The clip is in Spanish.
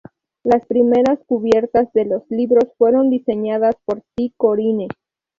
Las primeras cubiertas de los libros fueron diseñadas por Tee Corinne.